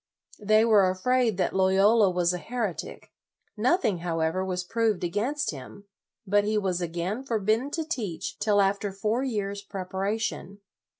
They were afraid that Loyola was a heretic. Nothing, how ever, was proved against him, but he was again forbidden to teach till after four years' preparation.